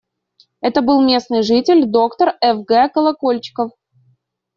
Это был местный житель, доктор Ф. Г. Колокольчиков.